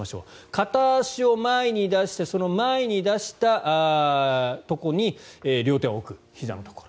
片足を前に出してその前に出したところに両手を置く、ひざのところ。